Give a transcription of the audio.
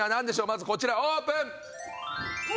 まずこちらオープン！